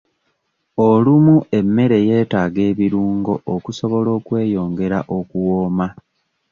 Olumu emmere yeetaaga ebirungo okusobola okweyongera okuwooma.